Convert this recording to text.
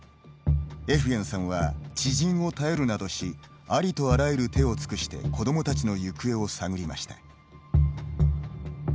エフゲンさんは知人を頼るなどしありとあらゆる手を尽くして子どもたちの行方を探りました。